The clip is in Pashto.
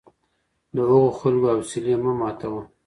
د هغو خلکو حوصلې مه ماتوه